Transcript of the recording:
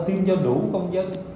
tiêm cho đủ công dân